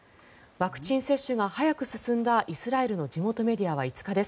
ワクチン接種が早く進んだイスラエルの地元メディアは５日です。